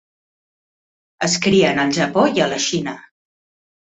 Es crien al Japó i a la Xina.